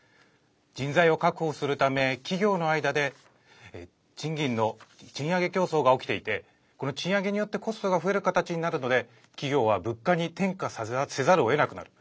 人材を確保するため、企業の間で賃金の賃上げ競争が起きていてこの賃上げによってコストが増える形になるので企業は物価に転嫁せざるをえなくなる。